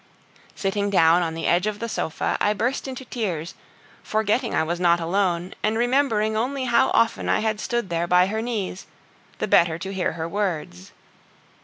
Sitting down on the edge of the sofa, I burst into tears, forgetting I was not alone, and remembering only how often I had stood there by her knees, the better to hear her words.